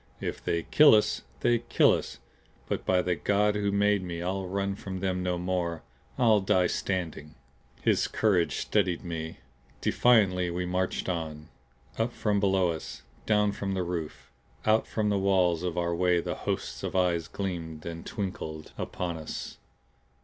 If they kill us, they kill us. But by the God who made me I'll run from them no more. I'll die standing." His courage steadied me. Defiantly we marched on. Up from below us, down from the roof, out from the walls of our way the hosts of eyes gleamed and twinkled upon us.